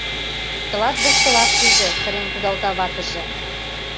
— Тылат воштылаш лийже! — сырен кудалта ватыже.